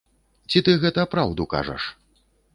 Ці ты гэта праўду кажаш?